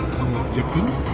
thông vật giật hứng